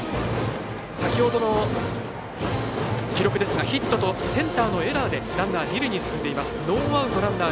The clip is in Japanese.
先ほどの記録ですがヒットとセンターのエラーでランナー、二塁に進んでいます。